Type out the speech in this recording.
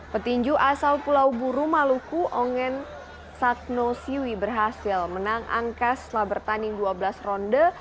petinju asal pulau buru maluku ongen satno siwi berhasil menang angka setelah bertanding dua belas ronde